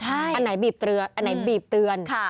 อันไหนบีบเรืออันไหนบีบเตือน